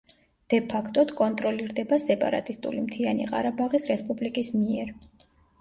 დე-ფაქტოდ კონტროლირდება სეპარატისტული მთიანი ყარაბაღის რესპუბლიკის მიერ.